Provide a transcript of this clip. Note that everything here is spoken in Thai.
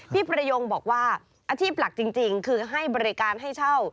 พี่ประยงบอกว่าอาชีพหลักจริงคือให้บริการให้เช่า